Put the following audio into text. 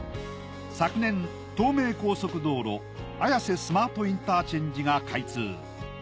昨年東名高速道路綾瀬スマートインターチェンジが開通。